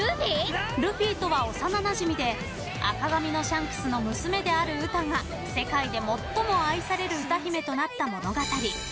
ルフィとは幼なじみで赤髪のシャンクスの娘であるウタは世界で最も愛される歌姫となった物語。